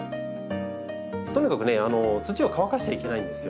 とにかくね土を乾かしちゃいけないんですよ。